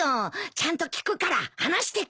ちゃんと聞くから話してくれ。